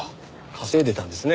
稼いでたんですね